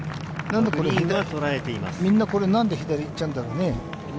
何でみんな左行っちゃうんだろうね？